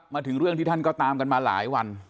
มาถึงเรื่องที่ท่านก็ตามกันมาหลายวัน